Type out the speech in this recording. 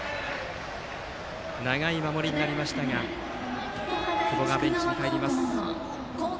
長い守りになりましたが久保がベンチに帰ります。